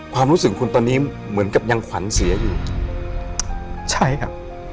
ความรู้สึกคุณตอนนี้เหมือนกับยังขวัญเสียอยู่ใช่ครับ